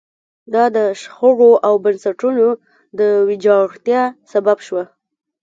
دا د شخړو او بنسټونو د ویجاړتیا سبب شوه.